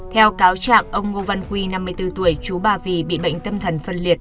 theo cáo trạng ông ngô văn quy năm mươi bốn tuổi chú ba vì bị bệnh tâm thần phân liệt